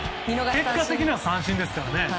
結果的に三振ですからね。